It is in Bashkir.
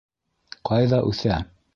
Ҡайҙа үҫә?